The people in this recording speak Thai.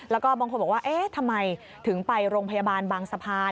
แล้วก็บางคนบอกว่าเอ๊ะทำไมถึงไปโรงพยาบาลบางสะพาน